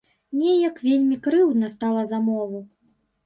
Неяк вельмі крыўдна стала за мову.